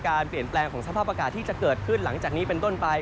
การเปลี่ยนแปลงของสภาพอากาศที่จะเกิดขึ้นหลังจากนี้เป็นต้นไป